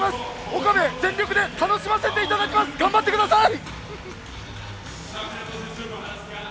岡部、全力で楽しませていただきます！頑張ってください！